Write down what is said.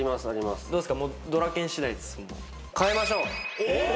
どうっすか？